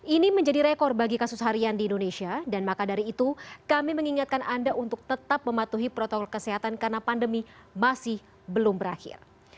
ini menjadi rekor bagi kasus harian di indonesia dan maka dari itu kami mengingatkan anda untuk tetap mematuhi protokol kesehatan karena pandemi masih belum berakhir